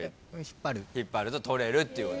引っ張ると取れるっていう。